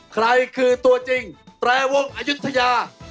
ใครคือตัวจริงแตรวงอายุทยา